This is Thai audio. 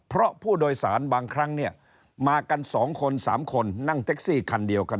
เพราะผู้โดยสารบางครั้งเนี่ยมากัน๒คน๓คนนั่งแท็กซี่คันเดียวกัน